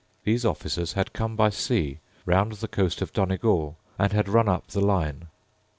These officers had come by sea round the coast of Donegal, and had run up the Line.